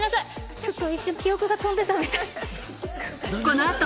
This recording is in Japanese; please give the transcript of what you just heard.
ちょっと一瞬記憶が飛んでたみたい。